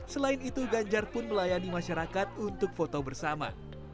selain itu ganjar pun melayani masyarakat untuk foto bersama